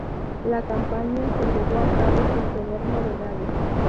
La campaña se llevó a cabo sin tener novedades.